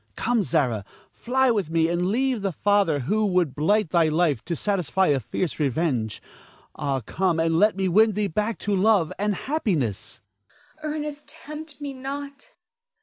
Come, Zara, fly with me, and leave the father who would blight thy life to satisfy a fierce revenge. Ah, come and let me win thee back to love and happiness. Zara. Ernest, tempt me not.